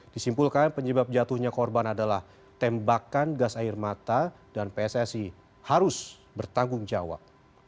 disimpulkan penyebab jatuhnya korban adalah tembakan gas air mata dan pssi harus bertanggung jawab